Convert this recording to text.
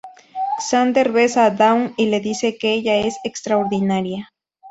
Xander besa a Dawn y le dice que ella es extraordinaria.